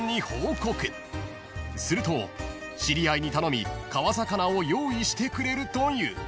［すると知り合いに頼み川魚を用意してくれるという］